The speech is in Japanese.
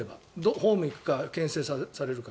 ホームに行くかけん制されるか。